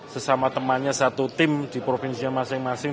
sesama temannya satu tim di provinsinya masing masing